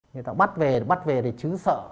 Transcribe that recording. người ta bắt về bắt về thì trứ sợ